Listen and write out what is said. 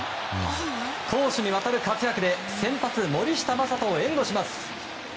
攻守にわたる活躍で先発、森下暢仁を援護します。